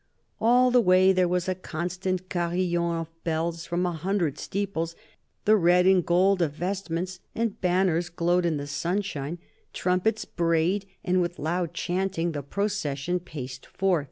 All the way there was a constant carillon of bells from a hundred steeples ; the red and gold of vestments and banners glowed in the sunshine ; trumpets brayed ; and with loud chanting the procession paced along.